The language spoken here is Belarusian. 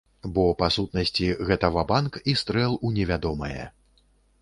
Бо, па сутнасці, гэта ва-банк і стрэл у невядомае.